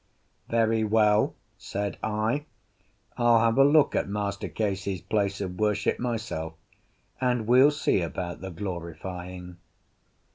"Very well," said I, "I'll have a look at Master Case's place of worship myself, and we'll see about the glorifying."